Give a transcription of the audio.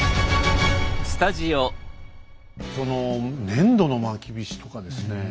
その粘土のまきびしとかですね